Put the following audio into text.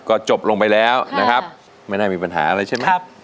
โอ้โชงยงพี่ลงแต่เสียงเธอ